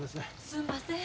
すんません。